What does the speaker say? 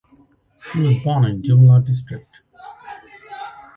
He was born in Jumla district.